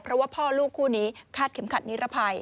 เพราะว่าพ่อลูกคู่นี้คาดเข็มขัดนิรภัย